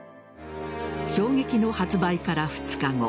衝撃の発売から２日後